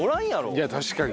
いや確かに。